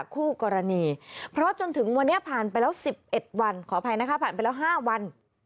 คู่กรณีเพราะจนถึงวันนี้ผ่านไปแล้ว๑๑วันขออภัยนะคะผ่านไปแล้ว๕วัน